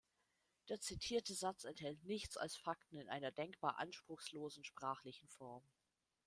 Der zitierte Satz enthält nichts als Fakten in einer denkbar anspruchslosen sprachlichen Form.